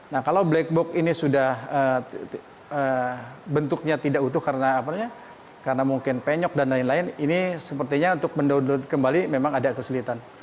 nah kalau black box ini sudah bentuknya tidak utuh karena mungkin penyok dan lain lain ini sepertinya untuk mendownload kembali memang ada kesulitan